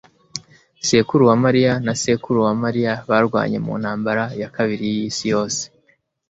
Sekuru wa mariya na sekuru wa Mariya barwanye mu Ntambara ya Kabiri y'Isi Yose